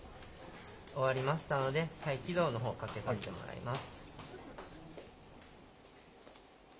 終わりましたので、再起動のほう、かけさせてもらいます。